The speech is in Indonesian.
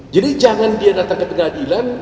jadi jangan dia datang ke pengadilan